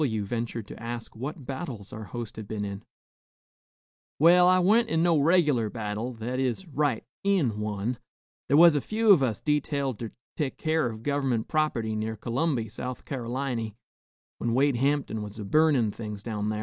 W ventured to ask what battles our host had been in. "Well, I wa'n't in no reg'lar battle, that is, right in one. Thar was a few of us detailed ter tek keer of gov'ment prop'ty near C'lumby, South Car'liny, when Wade Hamptin was a burnin' things down thar.